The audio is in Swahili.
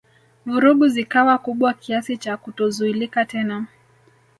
Vurugu zikawa kubwa kiasi cha kutozuilika tena